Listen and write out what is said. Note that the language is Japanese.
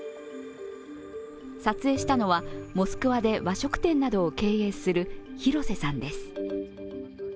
撮影したのはモスクワで和食店などを経営する廣瀬さんです。